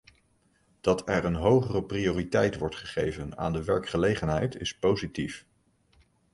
Dat er een hogere prioriteit wordt gegeven aan de werkgelegenheid is positief.